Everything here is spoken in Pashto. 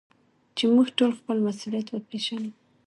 چي موږ ټول خپل مسؤليت وپېژنو.